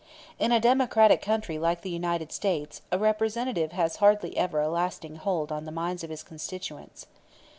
In a democratic country like the United States a Representative has hardly ever a lasting hold on the minds of his constituents.